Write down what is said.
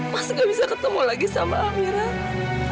mas nggak bisa ketemu lagi sama amirah